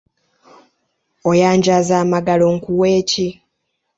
Oyanjaza amagalo nkuwe ki?